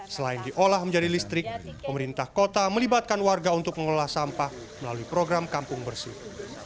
selain diolah menjadi listrik pemerintah kota melibatkan warga untuk mengelola sampah melalui program kampung bersih